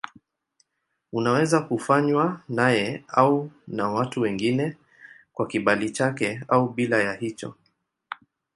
Unaweza kufanywa naye au na watu wengine kwa kibali chake au bila ya hicho.